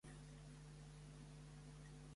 A Corea rep de nom de ttongchim.